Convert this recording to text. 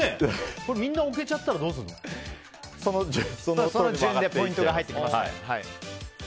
これみんな置けちゃったらその順番でポイントが入っていきます。